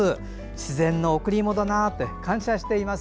自然の贈り物があって感謝しています。